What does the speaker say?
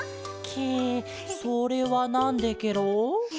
ケそれはなんでケロ？